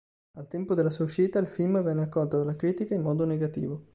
Al tempo della sua uscita, il film venne accolto dalla critica in modo negativo.